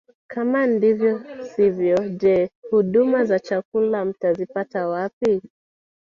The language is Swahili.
Kama ndivyo sivyo je huduma za chakula mtazipata wapi